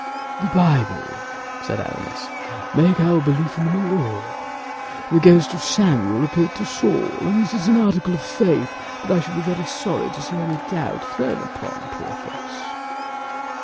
"The Bible," said Aramis, "makes our belief in them a law; the ghost of Samuel appeared to Saul, and it is an article of faith that I should be very sorry to see any doubt thrown upon, Porthos."